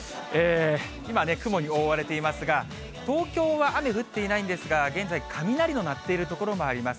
今ね、雲に覆われていますが、東京は雨降っていないんですが、現在、雷の鳴っている所もあります。